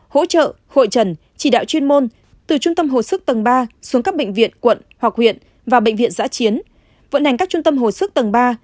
hỗ trợ hội trần chỉ đạo chuyên môn từ trung tâm hồ sức tầng ba xuống các bệnh viện quận hoặc huyện và bệnh viện giã chiến vận hành các trung tâm hồi sức tầng ba